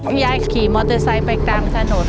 พี่ยายขี่มอเตอร์ไซค์ไปกลางถนน